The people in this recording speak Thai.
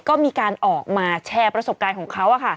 ก็มีการออกมาแชร์ประสบการณ์ของเขา